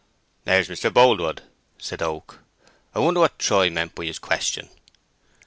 "There's Mr. Boldwood," said Oak. "I wonder what Troy meant by his question."